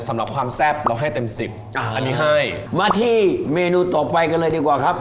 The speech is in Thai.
สำหรับความแซ่บเราให้เต็มสิบอ่าอันนี้ให้มาที่เมนูต่อไปกันเลยดีกว่าครับ